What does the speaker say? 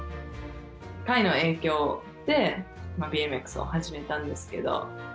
魁の影響で、ＢＭＸを始めたんですけど。